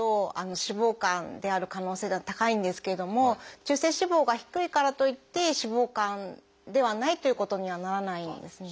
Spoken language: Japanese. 脂肪肝である可能性が高いんですけれども中性脂肪が低いからといって脂肪肝ではないということにはならないんですね。